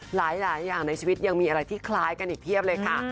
หลายอย่างในชีวิตยังมีอะไรที่คล้ายกันอีกเพียบเลยค่ะ